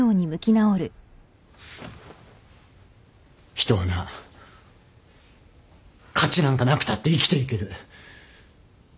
人はな価値なんかなくたって生きていける。